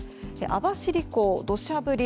網走港、土砂降り。